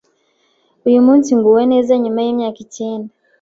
Uyu munsi nguwe neza nyuma y’imyaka icyenda